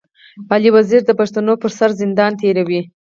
علي وزير د پښتنو پر سر زندان تېروي.